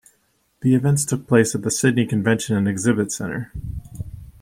The events took place at the Sydney Convention and Exhibition Centre.